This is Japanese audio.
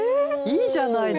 いいじゃないですか。